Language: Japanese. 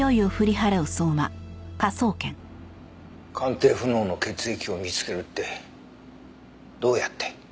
鑑定不能の血液を見つけるってどうやって？